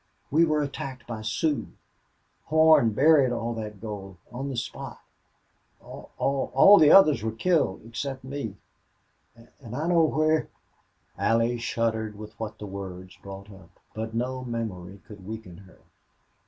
"We were attacked by Sioux.... Horn buried all that gold on the spot. All all the others were killed except me.... And I know where " Allie shuddered with what the words brought up. But no memory could weaken her.